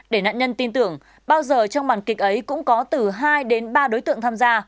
để nạn nhân tin tưởng bao giờ trong màn kịch ấy cũng có từ hai đến ba đối tượng tham gia